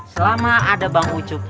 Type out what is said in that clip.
selama ada bang ucup